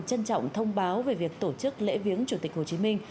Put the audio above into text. trân trọng thông báo về việc tổ chức lễ viếng chủ tịch hồ chí minh